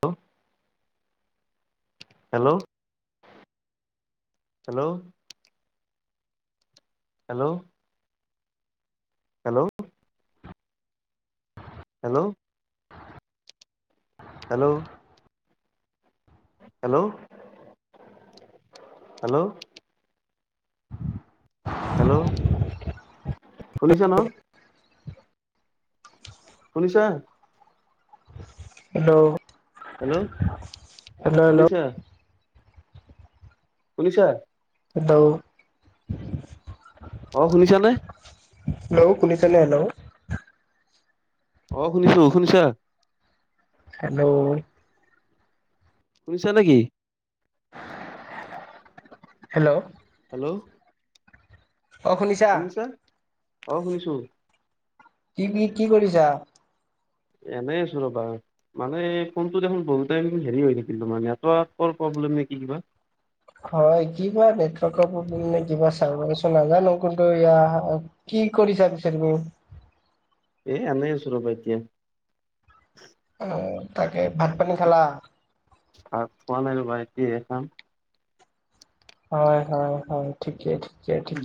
Hello hello hello hello. Hello hello hello hello hello hello শুনিছ ন শুনিছা আৰু হেল্ল' শুনিছা পুলিচা দ অ' শুনিছানে [unintelligible] অ' শুনিছো শুনিছা। হেল্ল'। শুনিছা নেকি? হেল্ল'। হেল্ল'। অ' শুনিছা? অ' শুনিছো। কি কি কি কৰিছা? এনেই আছো ৰবা। মানে ফোনটো দেখোন বলতে হেৰি হৈ থাকিলো মানেহ ব নে কি কিবা হয় কিবা নেটৱৰ্ক প্ৰব্লেম ন কিবা চাৰভাৰ ইচু নাজানো কিন্তু কি কৰিছা বিচাৰিবো এ, এনেছো ৰবা পাইতিয়া আহ তাকে ভাত পানী খালা ভাত খোৱা নাই ৰ'বা কি খাম হয়-হয়-হয় ঠিকেই।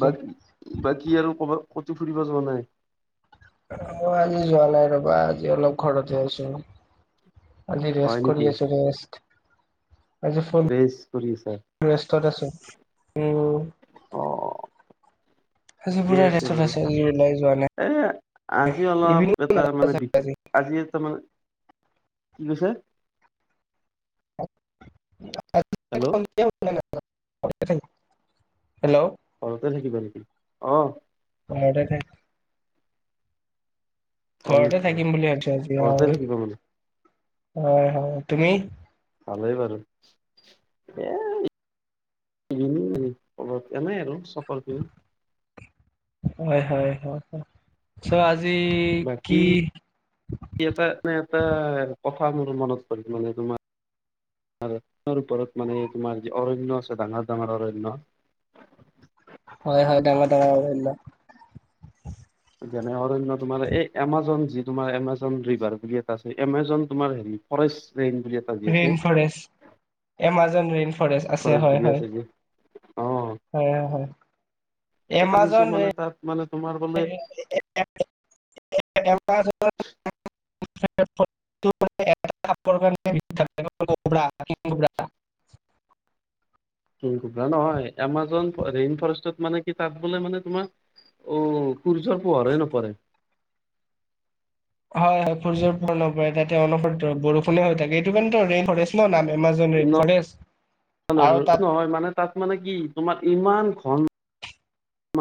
বাকী আৰু কত ফুৰিব যোৱা নাই। অ, আজি যোৱা নাই ৰবা আজি অলপ ঘৰতে হৈ আছো। আজি হয় ৰেষ্ট নেকি কৰি আছো ৰেষ্ট। আজি ফোন ৰেষ্ট কৰি আছা ৰেষ্টত আছো উ। অ আজি ঠিকে পুৰা ৰেষ্ট বাৰু আছে [unintelligible] এ, আজি অলপ এটা মানে ইভিনিং আজি এটা মানে কি কৈছে? [unintelligible] হেল্ল' সন্ধিয়া হ'ল নে নাই? [unintelligible] হেল্ল'। ঘৰতে থাকিব নেকি অ [inaudible] হয় ঘৰতে নেকি থাকিম বুলি ভাবছো। আজি ঘৰতে থাকিব মানে হয়-হয়-হয় তুমি? ভালেই বাৰু এ এনোই আৰু চফৰটো হয়, হয়, হয়, হয়। চ' আজি বাকী কি এটা মানে এটা কথা মোৰ মনত পৰি মানে তোমাৰ আৰু তাৰ ওপৰত মানে তোমাৰ যি অৰণয় আছে ডাঙৰ ডাঙৰ অৰণ্যয় [inaudible] হয় হয় ডাঙৰ ডাঙৰ অৰণ্য। যেনে অৰণ্য তোমাৰ এই এমাজন জি তোমাৰ এমাজন ৰিভাৰ বুলি এটা আছে, এমাজ তোমাৰ হেৰি ফৰেষ্ট ৰেইন বুলি এটা যি আছে rain forest, Amazon rain forest আছে হয় হয়। হয় হয়। সামিছো এমাজন মানে তাত মানে তোমাৰ বোলে [unintelligible] সাপৰ কাৰণে বিখ্যাত তাকো cobra king cobra. [inaudible] King cobra নহয়, এমাজন ৰেইন ফৰেষ্টত মানে কি তাত বোলে মানে তোমাৰ অ, কৰ্জহৰ পোহৰই নপৰে। হয় হয় ফূৰ্যৰ পোহৰ নপৰে, তাতে অনস বৰষুণে হৈ থাকে, এইটো কাৰণেটো ৰেইন ফৰেষ্ট ন' নাম এমাজন ৰেইন ন, ফৰেষ্ট আৰু নহয় মানে তাত মানে কি তোমাৰ ইমান ঘন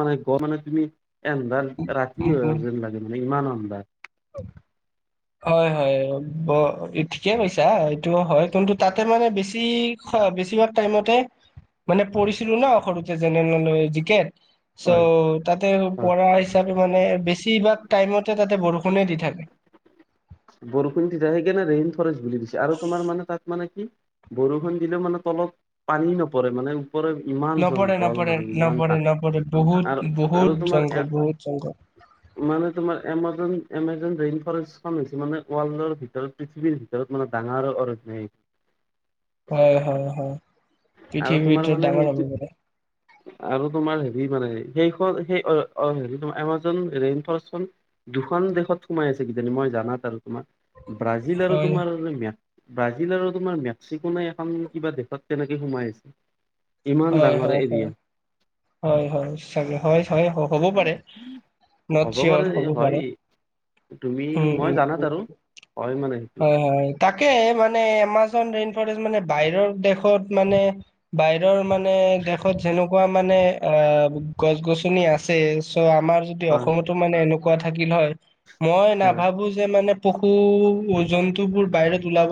মানে গ মানে তুমি এনডাল ৰাতি যেন লাগে মানে ইমান আন্ধাৰ অ, হয় হয় ব' ঠিকে কৈছা এইটো হয়, কিন্তু তাতে মানে বেছি বেছিভাগ টাইমতে মানে পৰিছিলো ন' সৰুতে জেনেললৈ জিকেট চ' হয় তাতে হয় পৰা হিচাপে মানে বেছিভাগ টাইমতে তাতে বৰষুণ ষুণে দি থাকে। বৰষুণ দিতিয়া সেইকাৰণে ৰেইন ফৰেষ্ট বুলি দিছে, আৰু তোমাৰ মানে তাক মানে কি, বৰষুণ দিলেও মানে তলত পানী নপৰে মানে ইমান নপঢ়ে জংঘল নপঢ়ে মানে ইমান নপঢ়ে তাক, নপঢ়ে বহুত আৰু বহুত আৰু তোমাৰ জংঘল বহুত জংঘল মানে তোমাৰ এমাজন এম ৰেইন ফৰেষ্ট খন হৈছে মানে ৱৰ্ল্ডৰ ভিতৰত পৃথিৱীৰ ভিতৰত মানে ডাঙৰ অৰধেই। হয় হয় হয়, আৰু তোমাৰ পৃথিৱীৰটো মানে ডাঙৰ সেইটো অভিজ্ঞতা। আৰু তোমাৰ হেৰি মানে সেইখন সে-অ-অহ হেৰী তোমাৰ এমাজন ৰেইন ফৰেষ্টখন দুখন দেশত সোমাই আছে কিজানি মই জানাত আৰু তোমাৰ, ব্ৰাজিল আৰু হয় তোমাৰ ম ব্ৰাজিল আৰু তোমাৰ মেক্সিকো নাই এখন কিবা দেশত কেনেকে সোমাই আছে। ইমান হয় ডাঙৰ হয় হয় এৰিয়া। হয় হয় চাগে, হয় হয় হ'ব পাৰে। নট হ'ব চিয়ৰ পাৰে হ'ব পাৰে, হয় তুমি উম মই উম জানাত উ। আৰু হয় মানে সেইটো হয় হয়, তাকে মানে এমাজন। মানে বাহিৰৰ দেশত মানে বাহিৰৰ মানে দেশত যেনেকা এনেকুৱা মানে অ গছ গছনি আছে চ' আমাৰ যদি হয় অসমতো মানে এনেকুৱা থাকিল হয় মই হয় নাভাবো যে মানে পশু জন্তুবোৰ বাহিৰত ওলাব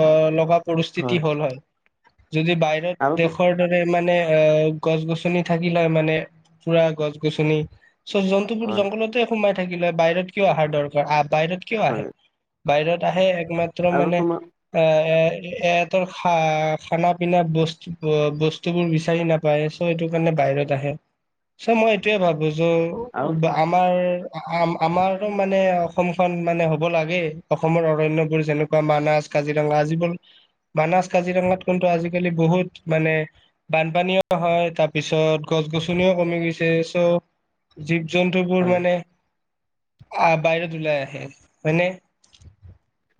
আহ লগা পৰিস্থিতি হ'ল হয় যদি বাহিৰত আৰু তো- দেশৰ দৰে মানে এ গছ গছনি থাকি লয় মানে পুৰা গছ গছনি চ জন্তুবোৰ হয় জংঘলতে সোমাই থাকিলে বাহিৰত কিয় অহাৰ দৰকাৰ আহ বাহিৰত কিয় আহে হয় বাহিৰত আহে একমাত্ৰ আৰু মানে তোমাৰ এ এ এহ তৰ খা-খানা পিনা বস্তু বস্তু বোৰ বিচাৰি নাপায়, চ' এইটো কাৰণে বাহিৰত আহে, চ' মই এইটোয়ে ভাবো আৰু য' আমাৰ আ-আম-আমাৰ টো মানে অসমখন মানে হ'ব লাগে, অসমৰ অৰণ্যবোৰ যেনেকুৱা মানাজ কাজিৰঙা আজিবল, বানাছ কাজিৰঙাত কিন্তু আজিকালি বহুত মানে বানপানীও হয়, তাৰপিছত গছ গছনিও কমি গৈছে চ' যি জন্তুবোৰ হয় মানে আহ বাহিৰত ওলাই আহে, মানে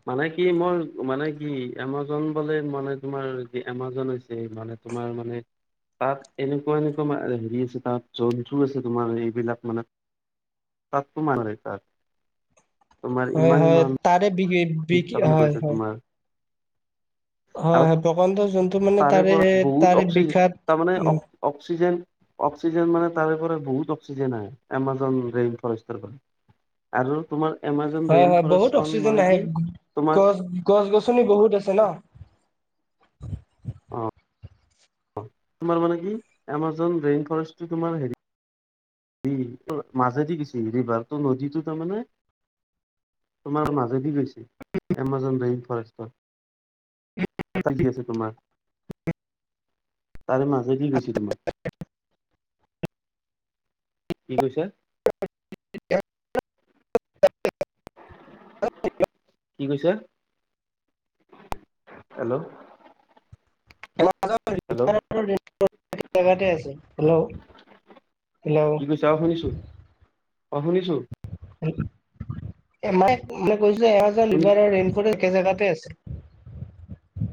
মানে কি মই মানে কি এমাজ বোলে মানে তোমাৰ এমাজন হৈছে মানে তোমাৰ মানে তাত এনেকুৱা এনেকুৱা ম হেৰি আছে তাত জন্তু আছে তোমাৰ এইবিলাক মানে তাতপমানানৰাই ত হয় হয় তাৰোৰে বিক বিক তাৰমানে কৈছে হয় হয় তোমাৰ হয় হয় প্ৰকা য তাৰেপ বহুত অক্সিজেন তাৰমানে উম অক্সিজে অক্সিজেন মানোৰে বহুত অক্সিজেন আহ এমাজন ৰাইন ফৰেষ্টৰ পৰা আৰু তোমাৰ এমাজন হয় ৰেইন হয় বহুত ফৰেষ্টখন অক্সিজেন মানে আহে কি তোমাৰ গছ গছ গছনি বহুত আছে ন অ তোমাৰ মানে কি এমাজন ৰেইন ফৰেষ্টটো তোমাৰ হেৰি মাজেদি গছেি ৰিভাৰ ত নদীতটো তাৰমানমানে তোমাৰ মাজেদি গৈছে এমাজন ৰাইন ফৰেষ্টৰ এটাল কি আছে তোমাৰ তাৰে মাজেদি গৈছে তোমাৰ কি কৈছা [unintelligible] অ কি কৈছে হেল্ল' হেল্ল' [unintelligible] তে আ হেল্ল' হেল্ল' কি কৈছা অ শুনিছো অ শুনিছো মায় মানে কৈছো এমাজন শুনিছো ৰিভাৰ আৰু ৰেইন ফৰেষ্ট একে জেগাতে আছে।